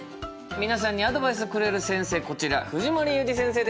皆さんにアドバイスをくれる先生